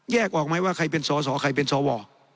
ออกไหมว่าใครเป็นสอสอใครเป็นสว